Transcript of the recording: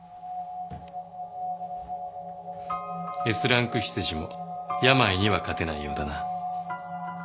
Ｓランク執事も病には勝てないようだな。